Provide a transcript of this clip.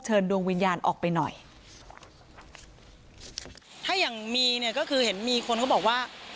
ดวงวิญญาณออกไปหน่อยถ้าอย่างมีเนี่ยก็คือเห็นมีคนเขาบอกว่า